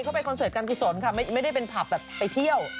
ไปคอนเสิร์ตการกุศลค่ะไม่ได้เป็นผับแบบไปเที่ยว